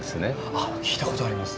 あっ聞いた事あります。